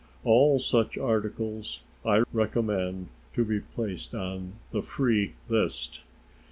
All such articles I recommend to be placed on the "free list."